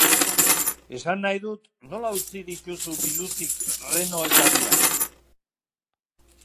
Esan nahi dut, nola utzi dituzu biluzik Reno eta biak?